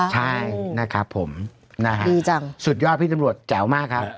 อ๋อเหรอคะโอ้โหดีจังสุดยอดพี่นำรวจแจ๋วมากครับ